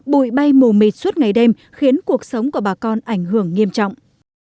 bụi bay mù mịt suốt ngày đêm khiến cuộc sống của bà con ảnh hưởng nghiêm trọng